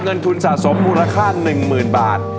เงินทุนสะสมมูลค่า๑๐๐๐บาท